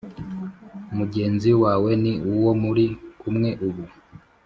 mugenzi wawe ni uwo muri kumwe ubu